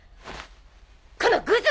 このグズ！